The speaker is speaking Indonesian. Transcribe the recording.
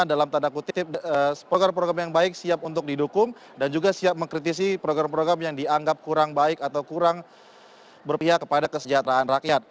dalam tanda kutip program program yang baik siap untuk didukung dan juga siap mengkritisi program program yang dianggap kurang baik atau kurang berpihak kepada kesejahteraan rakyat